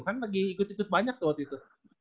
kan lagi ikut ikut banyak tuh waktu itu